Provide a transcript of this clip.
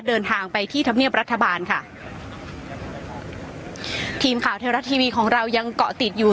เดินทางไปที่ธรรมเนียบรัฐบาลค่ะทีมข่าวเทวรัฐทีวีของเรายังเกาะติดอยู่